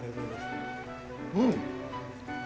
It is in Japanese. うん！